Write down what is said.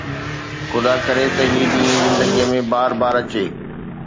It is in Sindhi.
خدا ڪري ته هي ڏينهن زندگي ۾ بار بار اچي